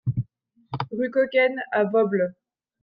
Rue Coquaine à Vosbles